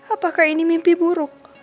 apakah ini mimpi buruk